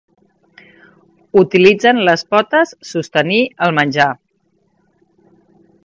Utilitzen les potes sostenir el menjar.